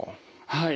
はい。